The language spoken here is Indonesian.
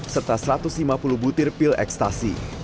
serta satu ratus lima puluh butir pil ekstasi